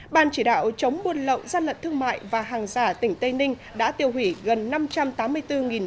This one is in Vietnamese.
ban chỉ đạo chống buôn lậu gian lận thương mại và hàng giả tỉnh tây ninh đã tiêu hủy gần năm trăm tám mươi bốn